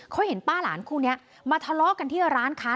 เขาเห็นป้าหลานคู่นี้มาทะเลาะกันที่ร้านค้า